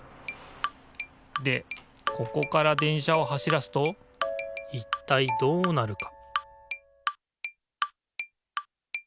でここから電車を走らすといったいどうなるか？